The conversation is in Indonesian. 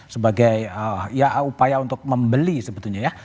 sebagai ya upaya untuk membeli sebetulnya ya